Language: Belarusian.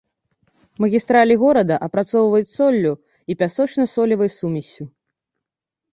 Магістралі горада апрацоўваюць соллю і пясочна-солевай сумессю.